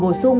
một số luật